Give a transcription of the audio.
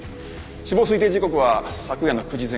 死亡推定時刻は昨夜の９時前後です。